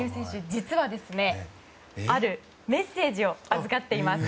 実は、あるメッセージを預かっています。